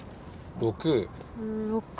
６。